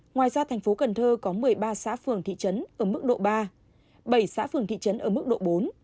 ngoài ra thành phố cần thơ có một mươi ba xã phường thị trấn ở mức độ ba bảy xã phường thị trấn ở mức độ bốn